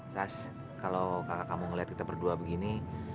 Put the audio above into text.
sas kalau kakak kamu ngeliat kita berdua begini